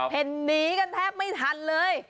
เห็นหนีกันแทบไม่ทันเลย